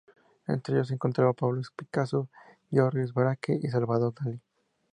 Entre ellos se encontraban Pablo Picasso, Georges Braque y Salvador Dalí.